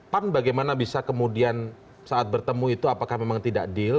pan bagaimana bisa kemudian saat bertemu itu apakah memang tidak deal